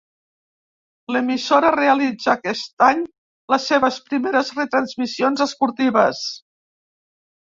L'emissora realitza aquest any les seves primeres retransmissions esportives.